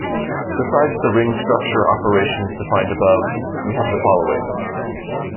Besides the ring structure operations defined above, we have the following.